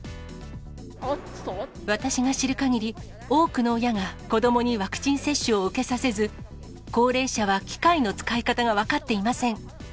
私が知るかぎり、多くの親が、子どもにワクチン接種を受けさせず、高齢者は機械の使い方が分かっていません。